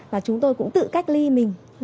và chúng tôi cũng tự cách ly mình